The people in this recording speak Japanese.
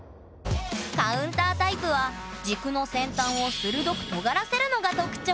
カウンタータイプは軸の先端を鋭くとがらせるのが特徴！